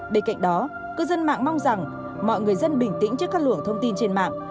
bên cạnh đó cư dân mạng mong rằng mọi người dân bình tĩnh trước các luồng thông tin trên mạng